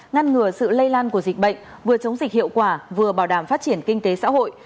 ngăn ngừa sự lây lan của dịch bệnh vừa chống dịch hiệu quả vừa bảo đảm phát triển kinh tế xã hội